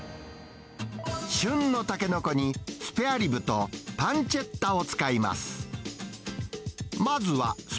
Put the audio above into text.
旬のタケノコにスペアリブとパンチェッタを使います。